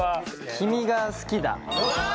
「君が好きだ」。